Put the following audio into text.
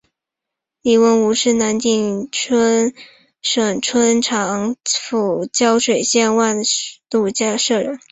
黎文敔是南定省春长府胶水县万禄社人。